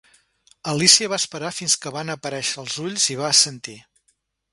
Alícia va esperar fins que van aparèixer els ulls i va assentir.